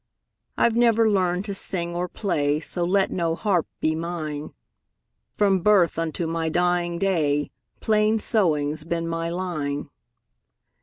I 've never learned to sing or play, So let no harp be mine; From birth unto my dying day, Plain sewing 's been my line.